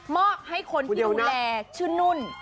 อบให้คนที่ดูแลชื่อนุ่น